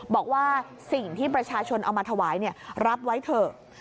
บอกว่าสิ่งที่ประชาชนเอามาถวายรับไว้เถอะ